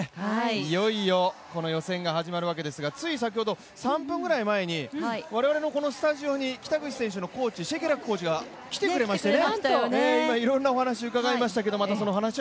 いよいよ予選が始まるわけですがつい先ほど３分ぐらい前に我々のスタジオに北口選手のコーチ、シェケラックコーチが来てくれましたよね。